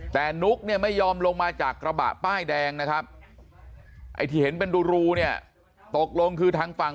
แต่นุ๊กเนี่ยไม่ยอมลงมาจากกระบะป้ายแดงนะครับไอ้ที่เห็นเป็นรูเนี่ยตกลงคือทางฝั่ง